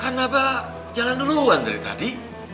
kan pak jalan duluan dari tadi